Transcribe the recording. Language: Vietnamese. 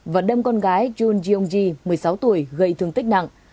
và đâm con gái jun jung ji một mươi sáu tuổi gây thương tích nặng